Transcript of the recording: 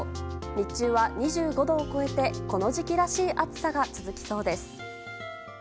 日中は２５度を超えてこの時期らしい暑さが続きそうです。